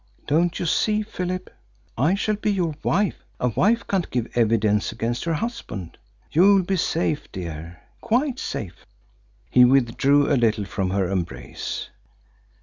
Don't you see, Philip?... I shall be your wife! A wife can't give evidence against her husband! You'll be safe, dear quite safe." He withdrew a little from her embrace.